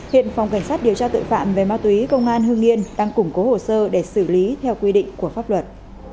hiện phòng cảnh sát điều tra tội phạm về ma túy công an hương nghiên đang củng cố hồ sơ để xử lý theo quy định của pháp luật